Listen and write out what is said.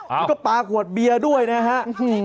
แล้วก็ปลาขวดเบียร์ด้วยนะฮะ